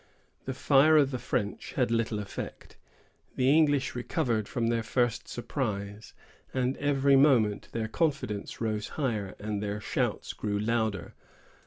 The fire of the French had little effect. The English recovered from their first surprise, and every moment their confidence rose higher and their shouts grew louder.